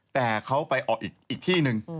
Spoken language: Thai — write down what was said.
แต่เขาไปออกอีกที่หนึ่ง